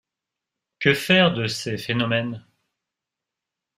Que faire de ces phénomènes?